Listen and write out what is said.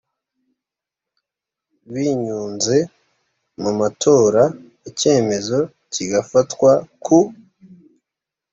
binyunze mu matora icyemezo kigafatwa ku